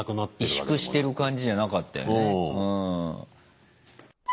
萎縮してる感じじゃなかったよね。